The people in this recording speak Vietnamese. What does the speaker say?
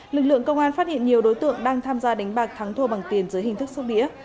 lực lượng công an phát hiện nhiều đối tượng đang tham gia đánh bạc thắng thua bằng tiền dưới hình thức sóc đĩa